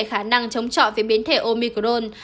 khả năng chống trọi về biến thể omicron